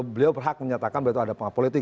beliau berhak menyatakan berarti ada penghemat politik